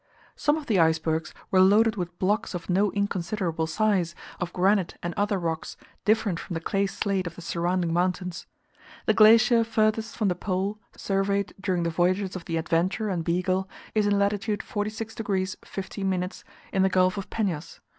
Some of the icebergs were loaded with blocks of no inconsiderable size, of granite and other rocks, different from the clay slate of the surrounding mountains. The glacier furthest from the pole, surveyed during the voyages of the Adventure and Beagle, is in lat. 46 degs. 50', in the Gulf of Penas.